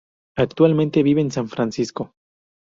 Actualmente vive en San Francisco.